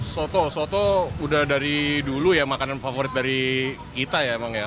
soto soto udah dari dulu ya makanan favorit dari kita ya emang ya